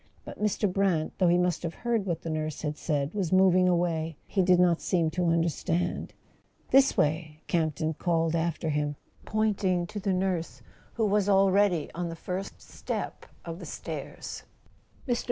But Mr. Brant, though he must have heard what the nurse had said, was moving away; he did not seem to understand. "This way " Camp ton called after him, pointing to the nurse, who was already on the first step of the stairs. Mr.